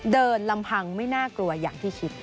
ลำพังไม่น่ากลัวอย่างที่คิด